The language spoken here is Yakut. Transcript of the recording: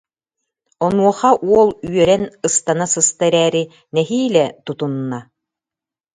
Онуоха уол үөрэн ыстана сыста эрээри, нэһиилэ туттунна